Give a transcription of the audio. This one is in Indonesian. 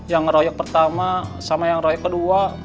yang ngeroyok pertama sama yang royok kedua